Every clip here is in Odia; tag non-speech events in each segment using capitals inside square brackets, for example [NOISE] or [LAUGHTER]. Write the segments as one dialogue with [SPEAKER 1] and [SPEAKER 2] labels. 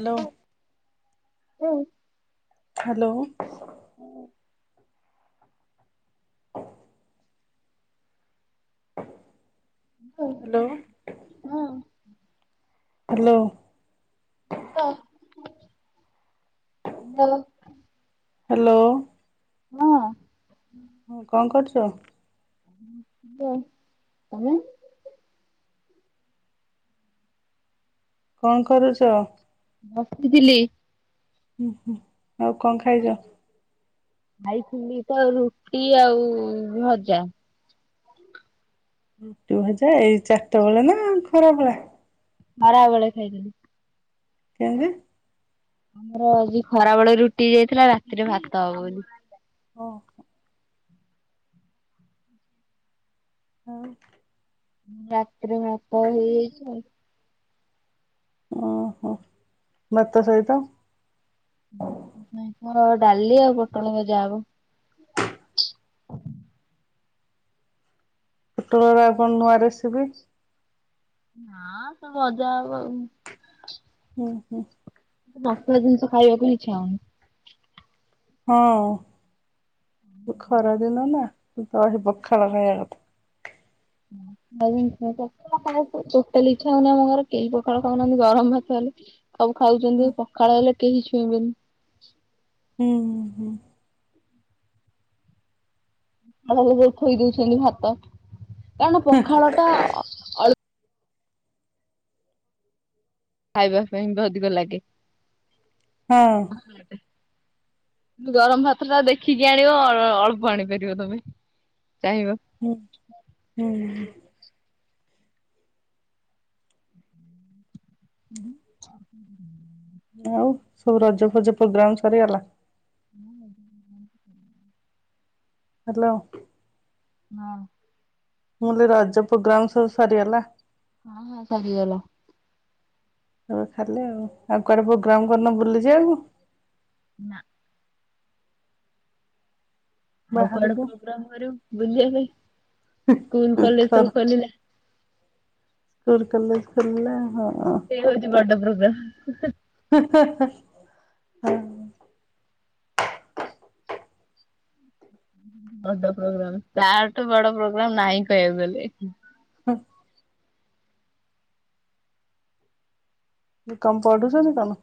[SPEAKER 1] ହ୍ୟାଲୋ।
[SPEAKER 2] ହୁଁ।
[SPEAKER 1] ହାଲୋ।
[SPEAKER 2] ହୁ। [INAUDIBLE]
[SPEAKER 1] ହ୍ୟାଲୋ
[SPEAKER 2] କ। [UNINTELLIGIBLE]
[SPEAKER 1] ହ୍ୟାଲୋ। ହୁଁ କଣ କରୁଛ।
[SPEAKER 2] [UNINTELLIGIBLE] କଣ।
[SPEAKER 1] କଣ କରୁଛ।
[SPEAKER 2] ବସିଥିଲି।
[SPEAKER 1] ଉଁ ହୁଁ ଆଉ କଣ ଖାଇଛ।
[SPEAKER 2] ଖାଇଥିଲି ତ ରୁଟି ଆଉ ଭଜା।
[SPEAKER 1] ରୁଟି ଭଜା ଏଇ ଚାରିଟା ବେଳେ ନା ଖରା ବେଳେ।
[SPEAKER 2] ଖରା ବେଳେ ଖାଇଥିଲି।
[SPEAKER 1] କେମତି।
[SPEAKER 2] ଆମର ଆଜି ଖରାବେଳେ ରୁଟି ହେଇଥିଲା ରାତିରେ ଭାତ ହବ ବୋଲି।
[SPEAKER 1] ଓ ହୋ। ଆଉ।
[SPEAKER 2] ରାତିରେ ଭାତ ହେଇଯାଇଛି ଆଉ।
[SPEAKER 1] ଓହୋ ଭତ ସହିତ
[SPEAKER 2] ଭାତ ସହିତ ଡାଲି ଆଉ ପୋଟଳ ଭଜା ହବ।
[SPEAKER 1] ପୋଟଳ ର ଆଉ କଣ ନୂଆ ରେସିପି।
[SPEAKER 2] ନାଁ ସବୁ ଉଜା ଆଉ।
[SPEAKER 1] ହୁଁ ହୁଁ।
[SPEAKER 2] ମସଲା ଜିନିଷ ଖାଇବାକୁ ଇଚ୍ଛା ହଉନି।
[SPEAKER 1] ହଉ ଏ ଖରା ଦିନ ନା ଦହି ପଖାଳ ଖାଇବା କଥା।
[SPEAKER 2] ଡାଲି ଭାତ। ଟୋଟାଲି ଇଛା ହଉନି ଆମ ଘରେ କେହି ପଖାଳ ଖାଉନାହାନ୍ତି ଗରମ ଭାତ ହେଲେ ସବୁ ଖାଉଛନ୍ତି ପଖାଳ ହେଲେ କେହି ଛୁଇଁବେନି।
[SPEAKER 1] ଉଁ ହୁଁ।
[SPEAKER 2] ହେ ହେ ହେଇ ଥୋଇ ଦେଇଥିଲି ଭାତ କାରଣ ପଖାଳ ଟା ଅ ଖାଇବା ପାଇଁ ଅଧିକ ଲାଗେ।
[SPEAKER 1] ହଁ।
[SPEAKER 2] ଭଲ ଲାଗେ। ଗରମ ଭାତ ଟା ଦେଖିକି ଆଣିବ ଅଳ୍ପ ଆଣିପାରିବ ତମେ ଚାହିଁବ।
[SPEAKER 1] ହୁଁ ହୁଁ।
[SPEAKER 2] ହୁଁ। ଉଁ ହୁଁ।
[SPEAKER 1] ଆଉ ସବୁ ରଜ ଫଜ ପୋଗ୍ରାମ ସରିଗଲା।
[SPEAKER 2] ହ [UNINTELLIGIBLE]
[SPEAKER 1] ହ୍ୟାଲୋ।
[SPEAKER 2] ହଁ।
[SPEAKER 1] ମୁଁ କଲି ରଜପୋଗ୍ରାମ ସବୁ ସରିଗଲା।
[SPEAKER 2] ହଁ ହଁ ସରିଗଲା।
[SPEAKER 1] ହଉ ତାହେଲେ ଆଉ ଆଉ କୁଆଡେ ପ୍ରୋଗ୍ରାମ କରିନ ବୁଲିଯିବାକୁ।
[SPEAKER 2] ନା। ଆଉ କୁଆଡେ ଇଆଡେ
[SPEAKER 1] ବାହାରକୁ
[SPEAKER 2] ପ୍ରୋଗ୍ରାମ କରିବ ବୁଲିବା ପାଇଁ ସ୍କୁଲ କଲେଜ
[SPEAKER 1] ଘର
[SPEAKER 2] ସବୁ ଖୋଲିଲା।
[SPEAKER 1] ସ୍କୁଲ୍‌ କଲେଜ ଖୋଲିଲା ହଁ।
[SPEAKER 2] ସେ ହଉଛି ବଡ଼ ପ୍ରୋଗ୍ରା
[SPEAKER 1] ହେ ହେ ହ।
[SPEAKER 2] ବଡ ପ୍ରୋଗ୍ରାମ ତା ଠୁ ବଡ ପ୍ରୋଗ୍ରାମ ନାହିଁ କହିବାକୁ ଗଲେ।
[SPEAKER 1] ହଁ। ବି କମ୍ ପଡ଼ୁଛନ୍ତି କଣ।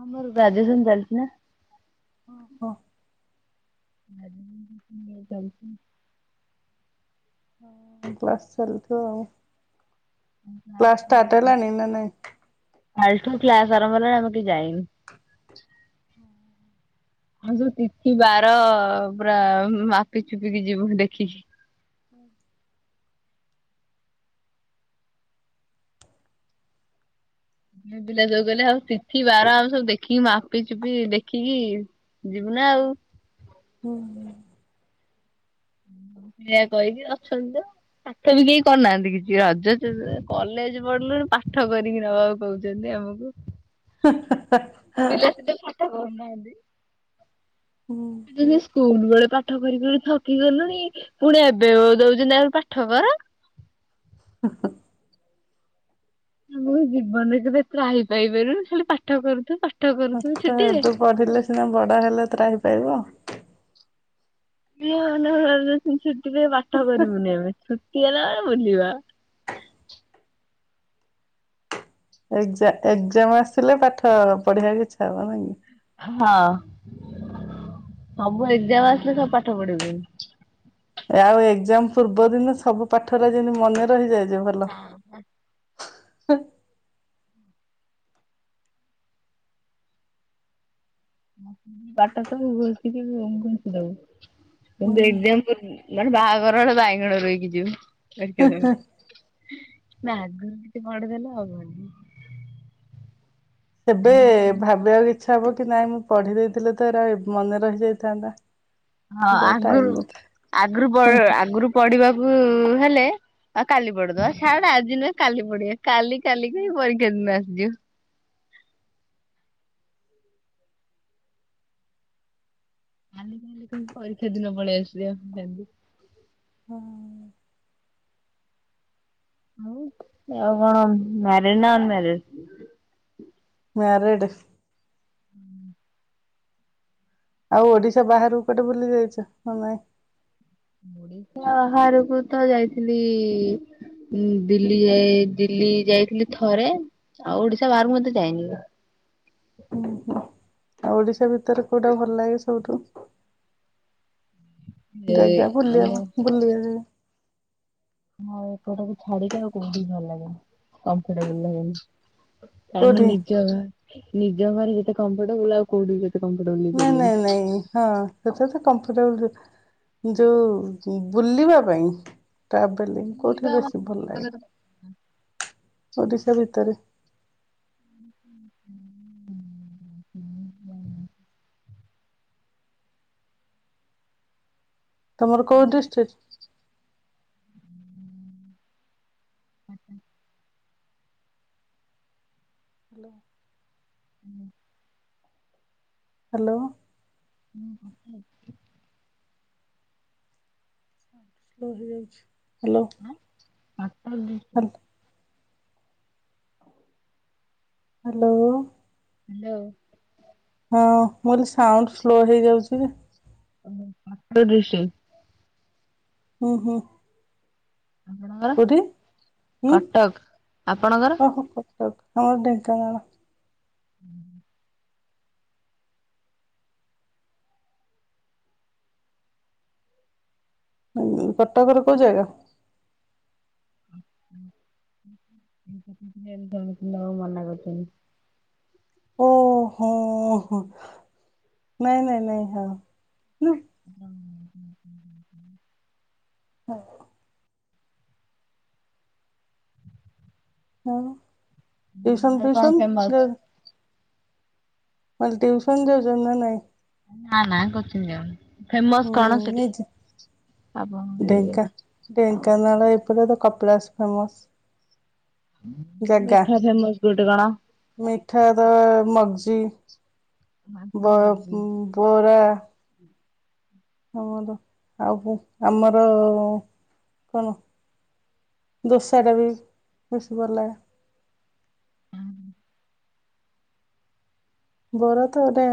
[SPEAKER 2] ହଁ ମୋର ଗ୍ରାଜୁଏସନ ଚାଲିଛି ନା।
[SPEAKER 1] ଓହୋ।
[SPEAKER 2] ଜଛି [UNINTELLIGIBLE]
[SPEAKER 1] କ୍ଲାସ ଚାଲିଥିବ ଆଉ କ୍ଲାସ ସ୍ଟାଟ୍ ହେଲାଣି ନା ନାଇଁ?
[SPEAKER 2] କାଲିଠୁ କ୍ଲାସ ଆରମ୍ଭ ହେଲାଣି ଆମେ କେହି ଯାଇନୁ।
[SPEAKER 1] ହଁ
[SPEAKER 2] ଆମେ ସବୁ ତିଥି ବାର ପୁରା ମାପି ଚୁପିକି ଯିବୁ ଦେଖିକି। ଝିଅପିଲା ଯୋଉ କହିଲେ ଆଉ ସବୁ ତିଥି ବାର ଆଉ ସବୁ ଦେଖିକି ମାପି ଚୁପି ଦେଖିକି ଯିବୁ ନା ଆଉ।
[SPEAKER 1] ହୁଁ ହୁଁ।
[SPEAKER 2] ଏଇଆ କହିକି ଅଛନ୍ତି ତ। ପାଠ ବି କେହି କରିନାହାନ୍ତି କିଛି ରଜ କଲେଜ୍ ପଢିଲୁ ପାଠ କରିକି ନବା ଆଉ। କହୁଚନ୍ତି ଆମକୁ।
[SPEAKER 1] ହ
[SPEAKER 2] ଇଲେକ୍ଟ୍ରି ଫଟ କରୁନାହାନ୍ତି।
[SPEAKER 1] ହୁଁ
[SPEAKER 2] କହୁଚନ୍ତି ସ୍କୁଲ ବେଳେ ପାଠ କରି କରି ଥକି ଗଲୁଣି ପୁଣି ଏବେ ଦଉଚନ୍ତି ଆହୁରି ପାଠ କର।
[SPEAKER 1] [INAUDIBLE]
[SPEAKER 2] ଆମ ଜୀବନ ରେ କେବେ ତ୍ରାହି ପାଇ ପାରିବୁନି ଖାଲି ପାଠ କରୁଥିବୁ ପାଠ। କରୁଥିବୁ
[SPEAKER 1] ପାଠ
[SPEAKER 2] ଛୁଟିରେ।
[SPEAKER 1] ଏବେ ପଢିଲେ ସିନା ବଡ ହେଲେ ତ୍ରାହି ପାଇବ।
[SPEAKER 2] କିଏ ମାନେ [INAUDIBLE] ଛୁଟି ପାଇଁ ପାଠ କରିବୁନି ଆମେ ଛୁଟି ହେଲା ମାନେ ବୁଲିବା।
[SPEAKER 1] ଏକ୍ ଜା ଏକ୍ଜାମ ଆସିଲେ ପାଠ ପଢିଆକୁ ଇଚ୍ଛା ହବ ନାଇଁ କି?
[SPEAKER 2] ହଁ ସବୁ ଏଜ୍କାମ ଆସିଲେ ସବୁ ପାଠ ପଢିିବୁ।
[SPEAKER 1] ଆଉ ଏକ୍ଜାମ ପୂର୍ବ ଦିନ ସବୁ ପାଠ ହେରା ଯେମିତି ମନେ ରହିଯାଏ ଯେ ଭଲ
[SPEAKER 2] ହଁ ହଁ। ବାଟ ସବୁ ଘୋଷିକି ଘୋଷି ଦବୁ କିନ୍ତୁ
[SPEAKER 1] ହୁଁ
[SPEAKER 2] ଏକ୍ଜାମ୍। ମାନେ ବାହାଘରରେ ବାଇଗଣ ରୋଇକି ଯିବୁ ଏକ୍ଜାମ୍ ରେ। ନାଁ ଆଗ ଏମିତି ପଢିଦେଲେ ହବନି।
[SPEAKER 1] ସେବେ ଭାବିବାକୁ ଇଚ୍ଛା ହବ କି ନାଇଁ ମୁଁ ପଢି ଦେଇଥିଲେ ଥରେ ମନେ ରହିଯାଇଥାନ୍ତା।
[SPEAKER 2] ହଁ
[SPEAKER 1] କିନ୍ତୁ ଆଉ ଟାଇମ୍
[SPEAKER 2] ଆଗରୁ
[SPEAKER 1] ନଥାଏ।
[SPEAKER 2] ଆଗରୁ ପ ଆଗୁରୁ ପଢିବାକୁ ହେଲେ ଆଉ କାଲି ପଢିଦବା ଛାଡେ ଆଜି ନୁହେଁ କାଲି ପଢିଆ। କାଲି କାଲିକି ହିଁ ପରୀକ୍ଷା ଦିନ ଆସିଯାଏ। କାଲି କାଲି କହିପରୀକ୍ଷା ଦିନ ପଳେଇ ଆସିବ ନିହାତି।
[SPEAKER 1] ହଁ।
[SPEAKER 2] ଆଉ ତମେ କଣ ମ୍ୟାରିଡ୍ ନାଁ ଅନ୍ ମ୍ୟାରେଡ୍?
[SPEAKER 1] ମ୍ୟାରେଡ଼େ। ଆଉ ଓଡିଶା ବାହାରକୁ କୁଆଡେ ବୁଲି ଯାଇଚ ନା ନାଇଁ?
[SPEAKER 2] ଓଡିଶା ବାହାରକୁ ତ ଯାଇଥିଲି। ହୁଁ ଦିଲ୍ଲୀ ଯାଇ ଦିଲ୍ଲୀ ଯାଇଥିଲି ଥରେ ଆଉ ଓଡିଶା ବାହାରକୁ ମୁଁ ଏତେ ଯାଇନି।
[SPEAKER 1] ଉହୁଁ। ଆଉ ଓଡିଶା ଭିତରେ କୋଉଟା ଭଲ ଲାଗେ ସବୁଠୁ? ଜେଗା
[SPEAKER 2] ଆମ
[SPEAKER 1] ବୁଲିଆ ବୁଲିଆ ଜାଗା?
[SPEAKER 2] ମୋ ଏପଟାକୁ ଛାଡିକି ଆଉ କୋଉଠି ଭଲ ଲାଗେନି କମ୍ଫୋର୍ଟେବୁଲ୍ ଲାଗେନି। କାରଣ
[SPEAKER 1] କୋଉଠି
[SPEAKER 2] ନିଜ ଗାଁ ନିଜ ଘରେ ଯେତେ କମ୍ଫୋର୍ଟେବୁଲ୍ ଆଉ କୋଉଠି ବି ସେତେ କମ୍ଫୋର୍ଟେବୁଲ୍
[SPEAKER 1] ନାଇଁ ନାଇଁ ନାଇଁ ହଁ। ସେଟା ତ କମ୍ଫୋର୍ଟେବଲ୍ ଯୋଉ ବୁଲିବା ପାଇଁ। ଟ୍ରାଭେଲିଙ୍ଗ୍ କୋଉଠି ବେଶୀ ଭଲ ଲାଗେ ଓଡ଼ିଶା ଭିତରେ?
[SPEAKER 2] [UNINTELLIGIBLE]
[SPEAKER 1] ତମର କୋଉ ଡିଷ୍ଟ୍ରିକ୍?
[SPEAKER 2] ଆଚ୍ଛା।
[SPEAKER 1] ହ୍ୟାଲୋ
[SPEAKER 2] ହୁଁ।
[SPEAKER 1] ହ୍ୟାଲୋ।
[SPEAKER 2] ଉଁ ହୁଁ [INAUDIBLE]
[SPEAKER 1] ରହି ଯାଇଚି, ହ୍ୟାଲୋ। Hello
[SPEAKER 2] [INAUDIBLE]
[SPEAKER 1] hello.
[SPEAKER 2] ହ୍ୟାଲୋ।
[SPEAKER 1] ହଁ ମୁଁ କହିଲି ସାଉଣ୍ଡ ସ୍ଲୋ ହେଇଯାଉଚି ଯେ।
[SPEAKER 2] ତିରିଶି।
[SPEAKER 1] ହୁଁ-ହୁଁ।
[SPEAKER 2] ଆପଣଙ୍କର? କଟକ ଆପଣଙ୍କର?
[SPEAKER 1] ଆଉ ଢେଙ୍କାନାଳ।
[SPEAKER 2] ହୁଁ
[SPEAKER 1] ଉଁ କଟକରେ କୋଉ ଜାଗା?
[SPEAKER 2] ଇନଫରମେସନ ଦେବାକୁ ମନା କରିଛନ୍ତି।
[SPEAKER 1] ଓହୋ ହୋ, ନାଇଁ -ନାଇଁ -ନାଇଁ। ହୁଁ। [INAUDIBLE] ଟିଉସନ୍
[SPEAKER 2] କଣ
[SPEAKER 1] ଫିଉସନ୍
[SPEAKER 2] ଫେମସ?
[SPEAKER 1] [INAUDIBLE] କହିଲି ଟିଉସନ୍ ଯାଉଚନ୍ତି ନାଁ ନାଇଁ?
[SPEAKER 2] ନାଁ-ନାଁ କୋଚିଙ୍ଗ୍ ଯାଉନି ଫେମସ୍
[SPEAKER 1] ହୁଁ
[SPEAKER 2] କଣ ସେଠି
[SPEAKER 1] ନିଜେ
[SPEAKER 2] ଆପଣଙ୍କ
[SPEAKER 1] ଢେଙ୍କା
[SPEAKER 2] ଏରିଆରେ?
[SPEAKER 1] ଢେଙ୍କାନାଳ ଏପଟେ ତ କପିଳାସ ଫେମସ୍।
[SPEAKER 2] ମିଠା ଫେମସ୍ ଗୋଟେ କଣ?
[SPEAKER 1] ମିଠା ତ ମଗଜି, ବ-ବରା। ଆମର, ଆଉ କଣ ଆମର-ଅ-ଅ-ଅ କଣ। ଦୋସାଟା ବି, ବେଶୀ ଭଲ ଲାଗେ।
[SPEAKER 2] ହୁଁ
[SPEAKER 1] ବରା ତ ଗୋଟେ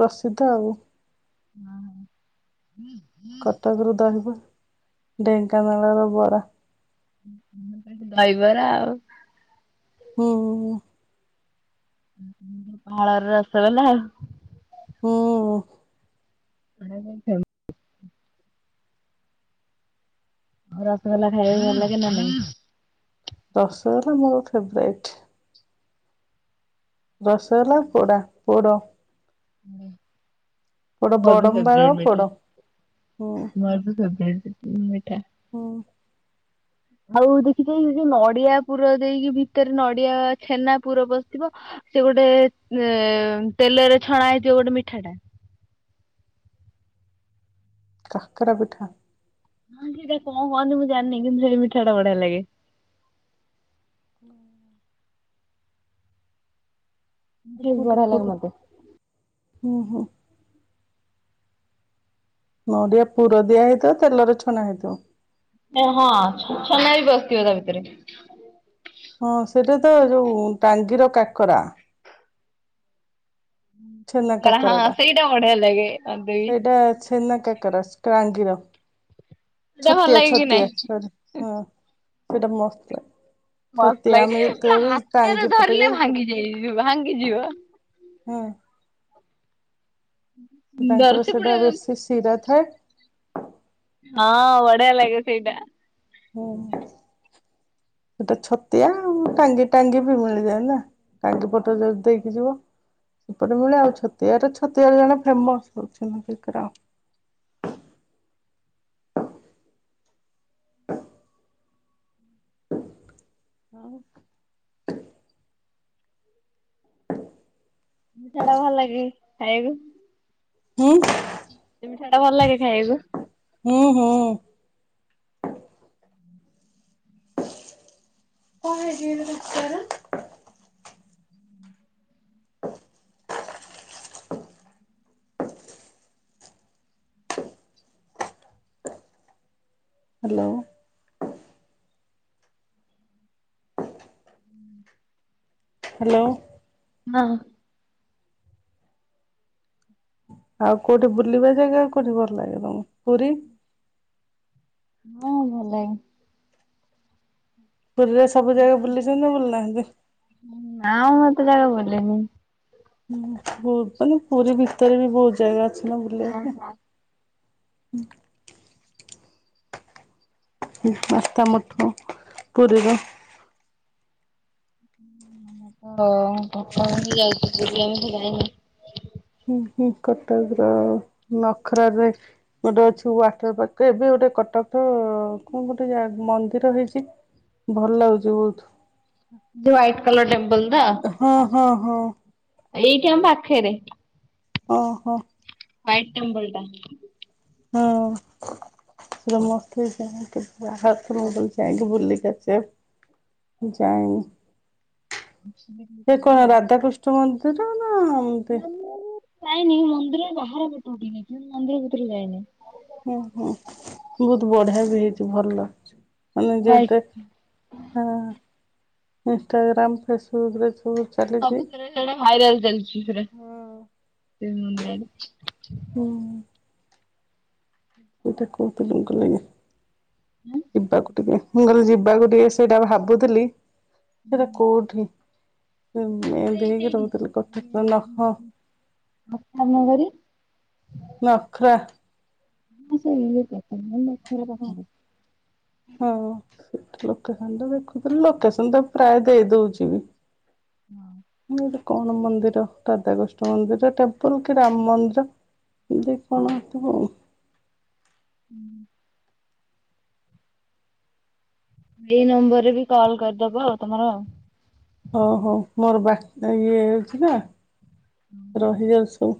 [SPEAKER 1] ପ୍ରସିଦ୍ଧ ଆଉ।
[SPEAKER 2] [INAUDIBLE] ହୁଁ ହଁ
[SPEAKER 1] କଟକରୁ ଦହିବ ଢେଙ୍କାନାଳର ବରା।
[SPEAKER 2] ଦହିବରା ଆଉ।
[SPEAKER 1] ହୁଁହୁଁହୁଁ।
[SPEAKER 2] ପାହାଳର ରସଗୋଲା ଆଉ।
[SPEAKER 1] ଉଁ -ହୁଁ।
[SPEAKER 2] [INAUDIBLE] ଆଉ ରସଗୋଲା ଖାଇବାକୁ ଭଲ ଲାଗେ ନା ନାଇଁ?
[SPEAKER 1] ରସଗୋଲା ମୋର ଫେବରାଇଟ୍। ରସଗୋଲା ପୋଡା, ପୋଡ।
[SPEAKER 2] ମୋର ବି ଫେବରାଇଟ୍ ମିଠା,
[SPEAKER 1] ହୁଁ
[SPEAKER 2] ମୋର ବି ଫେବରାଇଟ୍ [INAUDIBLE] ମିଠା।
[SPEAKER 1] ହୁଁ।
[SPEAKER 2] ଆଉ ଦେଖିଛକି ଯୋଉ ନଡିଆ ପୁର ଦେଇକି ଭିତରେ ନଡିଆ ଛେନା ପୁର ପଶିଥିବ ସେ ଗୋଟେ-ଏ-ଏ ଏ-ଏ ତେଲରେ ଛଣା ହେଇଥିବ ଗୋଟେ ମିଠାଟା।
[SPEAKER 1] କାକରା ପିଠା।
[SPEAKER 2] ହଁ ସେଇଟା କଣ କହନ୍ତି ମୁ ଜାଣିନି କିନ୍ତୁ ସେହି ମିଠା ଟା ବଢିଆ ଲାଗେ।
[SPEAKER 1] କୁଟୁ
[SPEAKER 2] ବଢିଆ ଲାଗେ
[SPEAKER 1] କୁଟୁ
[SPEAKER 2] ମତେ।
[SPEAKER 1] ହୁଁ ହୁଁ। ନଡ଼ିଆ ପୁର ଦିଆ ହେଇଥିବ ତେଲରେ ଛଣା ହେଇଥିବ।
[SPEAKER 2] ଏ ହଁ ଛନା ବି ବସିଥିବ ତା ଭିତରେ
[SPEAKER 1] ହଁ ସେଟା ତ ଯୋଉ ଟାଙ୍ଗିର କାକରା। ଛେନା
[SPEAKER 2] ଆରେ ହଁ
[SPEAKER 1] କାକରାଟା
[SPEAKER 2] ସେଇଟା ବଢିଆ ଲାଗେ। ମତେ ବି
[SPEAKER 1] ସେଇଟା ଛେନା କାକେରା କାଙ୍ଗିର
[SPEAKER 2] ସେଇଟା ଭଲ
[SPEAKER 1] ଛତିଆ
[SPEAKER 2] ଲାଗେ କି ନାଇଁ?
[SPEAKER 1] ଛତିଆ ସରି ହଁ ସେଇଟା ମସ୍ତ
[SPEAKER 2] ମସ୍ତ
[SPEAKER 1] ଛତିଆ ଆମେ
[SPEAKER 2] ଲାଗେ ପୁରା
[SPEAKER 1] ଯେତେବେଳେ
[SPEAKER 2] ହାତରେ
[SPEAKER 1] ଟାଙ୍ଗି ପଟେ
[SPEAKER 2] ଧରିଲେ
[SPEAKER 1] ଯାଇ
[SPEAKER 2] ଭାଙ୍ଗି ଯି ଭାଙ୍ଗିଯିବ।
[SPEAKER 1] ହୁଁ। ତାଙ୍କର
[SPEAKER 2] ଦର୍ଶି ପୁଡେ
[SPEAKER 1] ସେଇଟା ବେଶୀ ଶିରା ଥାଏ
[SPEAKER 2] ହଁ ବଢିଆ ଲାଗେ ସେଇଟା।
[SPEAKER 1] ହୁଁ ସେଟା ଛତିଆ ଆଉ ଟାଙ୍ଗି ଟାଙ୍ଗି ବି ମିଳିଯାଏ ନା। ତାଙ୍କେ ପଟରେ ଯଦି ଦେଇକି ଯିବ ଏପଟେ ମିଳେ ଆଉ ଛତିଆରେ ଛତିଆ ଜଣେ ଫେମସ ଅଛନ୍ତି କାକେରା ଆଉ
[SPEAKER 2] ସେଟା ଭଲ ଲାଗେ ଖାଇଲୁ
[SPEAKER 1] ହୁଁ
[SPEAKER 2] ସେ ମିଠାଟା ଭଲ ଲାଗେ ଖାଇବାକୁ?
[SPEAKER 1] ହୁଁ ହୁଁ। କଣ ହେଇଚି କିଲୋ ତାଙ୍କର? ହ୍ୟାଲୋ ହ୍ୟାଲୋ
[SPEAKER 2] ନ ହ
[SPEAKER 1] ଆଉ କୋଉଠି ବୁଲିବା ଜାଗା କୋଉଠି ଭଲ ଲାଗେ ତମକୁ ପୁରୀ
[SPEAKER 2] ମୁଁ ଭଲନାଇ
[SPEAKER 1] ପୁରୀରେ ସବୁ ଜାଗା ବୁଲିଛନ୍ତି ନା ବୁଲିନାହାନ୍ତି?
[SPEAKER 2] ନା ମୁଁ ଏତେ ଜାଗା ବୁଲେନି।
[SPEAKER 1] ବହୁତ ମାନେ ପୁରୀ ଭିତରେ ବି ବହୁତ ଜାଗା ଅଛି ନା ବୁଲିବା ପାଇଁ। ମାତା ମଠ ପୁରୀର
[SPEAKER 2] ଓହୋ [UNINTELLIGIBLE] ଯାଇନି
[SPEAKER 1] ହୁଁ ହୁଁ କଟକର ନଖରାରେ ଗୋଟେ ଅଛି ୱାଟର ପାର୍କ ଏବେ ଗୋଟେ କଟକ କଣ ଗୋଟେ ଜା ମନ୍ଦିର ହେଇଛି। [INAUDIBLE] ଲାଗୁଛି ବହୁତ
[SPEAKER 2] ଯୋଉ ୟାଇଟ କଲର ଟେମ୍ପଲ ଟା
[SPEAKER 1] ହଁ ହଁ ହଁ
[SPEAKER 2] ଏଇଠି ଆମ ପାଖେରେ
[SPEAKER 1] ଓହୋ
[SPEAKER 2] ହ୍ୱାଇଟ ଟେମ୍ପଲ ଟା
[SPEAKER 1] ଓ ଯୋଉ ମସ୍ତ ହେଇଚି [UNINTELLIGIBLE] ହାତ [UNINTELLIGIBLE] ବୁଲିକି ଆସେ ଯାଇନି ସେ କଣ ରାଧାକୃଷ୍ଣ ମନ୍ଦିର ନା ଏମତି
[SPEAKER 2] ନା ମୁଁ ବି ଯାଇନି ମନ୍ଦିର ବାହାର ପଟୁ ଉଠି କି ଦେଖେ ମୁଁ ମନ୍ଦିର ଭିତରକୁ ଯାଇନି।
[SPEAKER 1] ହୁଁ ହୁଁ, ବହୁତ ବଢିଆ ବି ହେଇଛି ଭଲ ଅଛି ମାନେ
[SPEAKER 2] ଭାଇ
[SPEAKER 1] ଯେତେ ହଁ ଇନ୍‌ଷ୍ଟାଗ୍ରାମ, ଫେସବୁକରେ ସବୁ ଚାଲିଛି।
[SPEAKER 2] ସବୁଥିରେ ସେଇଟା ଭାଇରାଲ ଚାଲିଛି ସେଟା
[SPEAKER 1] ହଁ।
[SPEAKER 2] ସେ ମନ୍ଦିରଟା
[SPEAKER 1] ହୁଁ ଏଇଟା କୋଉ ଫିଲମ କଲେଣି ଯିବାକୁ ଟିକେ ମୁଁ କହିଲି ଯିବାକୁ ଟିକେ ସେଇଟା ଭାବୁଥିଲି ସେଇଟା କୋଉଠି? ଏମିତି ଏମିତି ହେଇକି ରହୁଥିଲା କଥା ତ ନହଁ
[SPEAKER 2] ଟା। ନଗରୀ
[SPEAKER 1] ନଖରା
[SPEAKER 2] [UNINTELLIGIBLE]
[SPEAKER 1] ହଁ ସେ ଲୋକେସନ ଟା ଦେଖୁଥିଲି, ଲୋକେସନ ତ ପ୍ରାୟ ଦେଇ ଦଉଛି ବି
[SPEAKER 2] ହଁ
[SPEAKER 1] ଏଟା କଣ ମନ୍ଦିର ରାଧାକୃଷ୍ଣ ମନ୍ଦିର ଟେମ୍ପଲ କି ରାମ ମନ୍ଦିର ଦେଖେ କଣ ହେଇଥିବ ଆଉ
[SPEAKER 2] ହୁଁ ଏଇ ନମ୍ବରରେ ବି କଲ କରିଦବ ଆଉ, ତମର
[SPEAKER 1] ହଉ ହଉ ମୋର ବାରଟା ଇଏ ହେଉଛି ନା ରହିଯାଉ ସବୁ